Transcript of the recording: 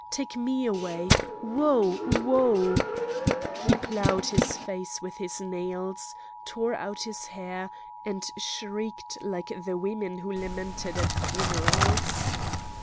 take me away! Woe! Woe!" He ploughed his face with his nails, tore out his hair, and shrieked like the women who lament at funerals.